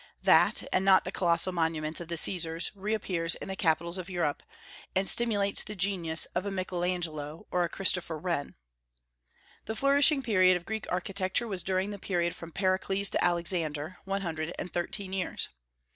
That, and not the colossal monuments of the Caesars, reappears in the capitals of Europe, and stimulates the genius of a Michael Angelo or a Christopher Wren. The flourishing period of Greek architecture was during the period from Pericles to Alexander, one hundred and thirteen years.